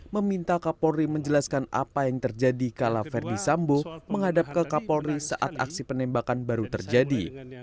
meminta kapolri menjelaskan apa yang terjadi kala verdi sambo menghadap ke kapolri saat aksi penembakan baru terjadi